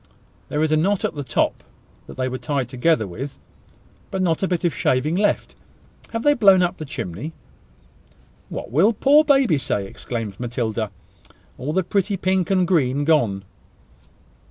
There is the knot at the top that they were tied together with, but not a bit of shaving left. Have they blown up the chimney?" "What will poor baby say?" exclaimed Matilda. "All the pretty pink and green gone!"